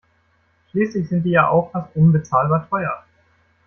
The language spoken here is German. Schließlich sind die ja auch fast unbezahlbar teuer.